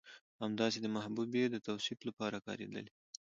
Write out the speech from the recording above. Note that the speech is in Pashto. همداسې د محبوبې د توصيف لپاره کارېدلي